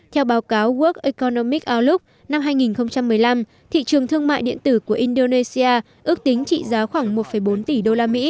theo báo cáo work economic alook năm hai nghìn một mươi năm thị trường thương mại điện tử của indonesia ước tính trị giá khoảng một bốn tỷ usd